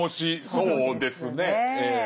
そうですね。